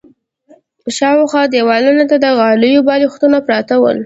شاوخوا دېوالونو ته د غالیو بالښتونه پراته ول.